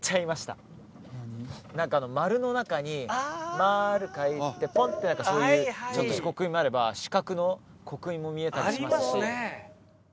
何か丸の中に丸かいてポンってそういうちょっとした刻印もあれば四角の刻印も見えたりしますしありますね